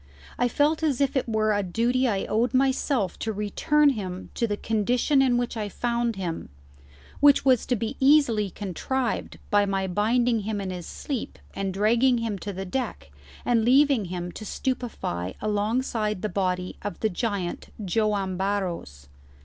I felt as if it were a duty I owed myself to return him to the condition in which I found him, which was to be easily contrived by my binding him in his sleep and dragging him to the deck and leaving him to stupefy alongside the body of the giant Joam Barros.